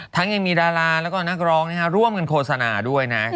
ยังมีดาราแล้วก็นักร้องร่วมกันโฆษณาด้วยนะ